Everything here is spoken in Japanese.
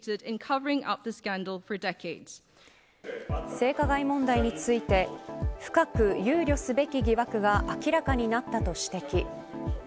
性加害問題について深く憂慮すべき疑惑が明らかになったと指摘。